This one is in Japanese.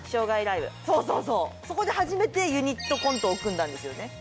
そうそうそうそこで初めてユニットコントを組んだんですよね。